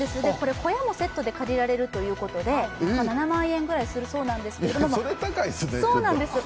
小屋もセットで借りられるということで７万円ぐらいするそうなんです。